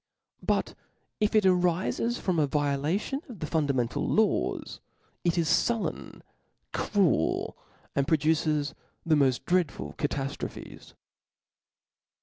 But if it ariles from a violation of the fundamental law.s it is fullen, cruel, and pro duces the moil dreadful cataftrophes.